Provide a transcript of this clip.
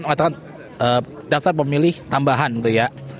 mengatakan daftar pemilih tambahan gitu ya